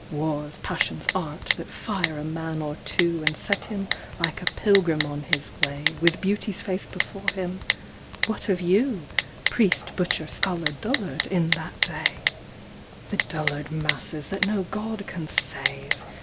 Wars, passions, art that tire a man or two And set him like a pilgrim on his way With Beauty's face before him — what of you, Priest, Butcher, Scholar, Dullard, in that da I e dullard masses that no god can save!